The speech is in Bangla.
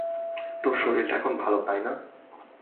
তোর শরীরটা এখন ভালো, তাই না?